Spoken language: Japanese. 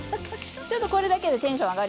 ちょっとこれだけでテンション上がりますよね。